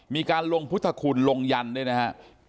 มีการลงพุทธคุณลงยันต์ด้วยนะฮะ